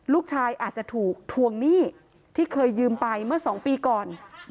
ลูกชายอาจจะถูกทวงหนี้ที่เคยยืมไปเมื่อ๒ปีก่อน